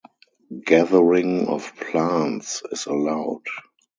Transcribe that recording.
Gathering of plants is allowed.